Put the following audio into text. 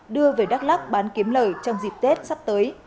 đưa về đắk lắc bán kiếm lời trong dịp tết sắp tới